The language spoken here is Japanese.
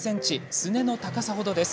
すねの高さほどです。